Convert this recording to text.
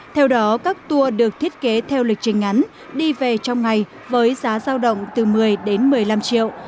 theo đó các tour được thiết kế theo lịch trình ngắn đi về trong ngày với giá giao động từ một mươi đến một mươi năm triệu